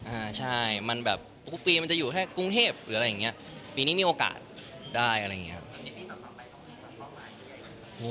อ่าใช่มันแบบปกติมันจะอยู่แค่กรุงเทพหรืออะไรอย่างเงี้ยปีนี้มีโอกาสได้อะไรอย่างเงี้ครับ